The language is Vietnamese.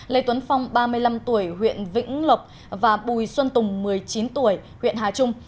lê tuấn phong ba mươi năm tuổi huyện vĩnh lộc và bùi xuân tùng một mươi chín tuổi huyện hà trung